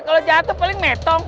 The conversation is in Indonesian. kalau jatuh paling metong